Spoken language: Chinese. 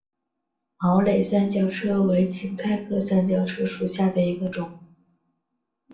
毛蕊三角车为堇菜科三角车属下的一个种。